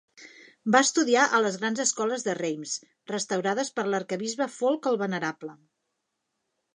Va estudiar a les grans escoles de Reims, restaurades per l'arquebisbe Folc el Venerable.